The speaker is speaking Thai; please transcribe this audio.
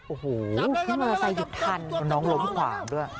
โอ้โฮขึ้นมาใส่หยุดทันใช่ค่ะเพราะน้องลงที่ขวาด้วย